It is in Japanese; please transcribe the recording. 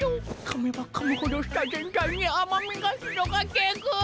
かめばかむほど舌全体に甘みが広がってくぅ！